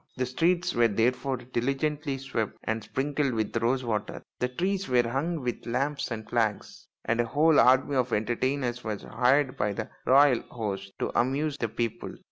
The streets were therefore diligently swept and sprinkled with rose water, the trees were hung with lamps and flags, and a whole army of entertainers was hired by the royal host to amuse the people.